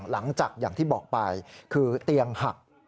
หลังจากอย่างที่บอกไปคือเตียงหัก